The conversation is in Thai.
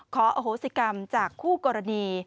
ขออโหสิกรรมจากคู่กรณี